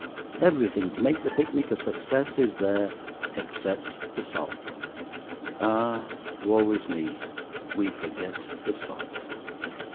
Everything to make the picnic a success is there except the salt. Ah! woe is me, we forget the salt.